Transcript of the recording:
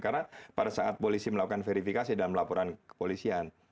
karena pada saat polisi melakukan verifikasi dalam laporan kepolisian